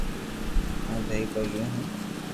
ھون دھنئي ھوئي گيو ھين